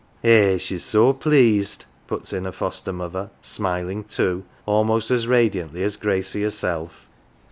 " "Eh, she's so pleased !" puts in her foster mother, smiling too, almost as radiantly as Gracie herself.